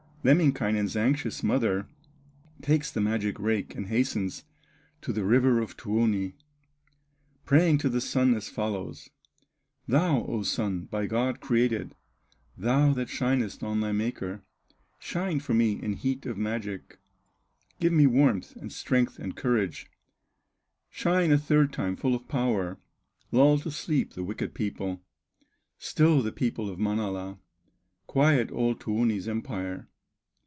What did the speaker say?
Lemminkainen's anxious mother Takes the magic rake and hastens To the river of Tuoni, Praying to the Sun as follows: "Thou, O Sun, by God created, Thou that shinest on thy Maker, Shine for me in heat of magic, Give me warmth, and strength, and courage, Shine a third time full of power, Lull to sleep the wicked people, Still the people of Manala, Quiet all Tuoni's empire."